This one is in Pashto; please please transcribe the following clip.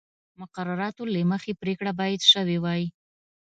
مقرراتو له مخې پرېکړه باید شوې وای.